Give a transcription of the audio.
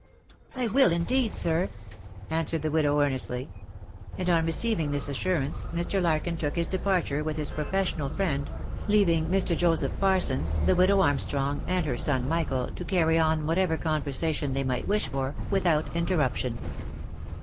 "I will indeed, sir !" answered the widow earnestly; and, on receiving this assurance, Mr. Larkin took his departure with his professional friend, leaving Mr. Joseph Parsons, the widow Arm strong, and her son Michael to carry on whatever conversation they might wish for, without interruption.